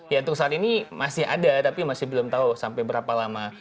ya untuk saat ini masih ada tapi masih belum tahu sampai berapa lama